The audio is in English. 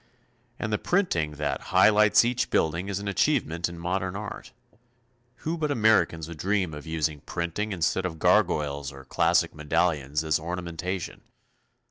And the printing that high lights each building is an achievement in modern art. Who but Americans would dream of using printing instead of gargoyles or classic medallions as ornamentation.